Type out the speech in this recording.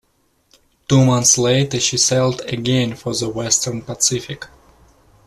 Two months later she sailed again for the Western Pacific.